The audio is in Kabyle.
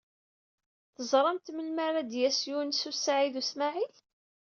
Teẓramt melmi ara d-yas Yunes u Saɛid u Smaɛil?